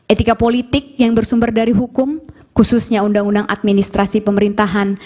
etika politik yang bersumber dari hukum khususnya undang undang administrasi pemerintahan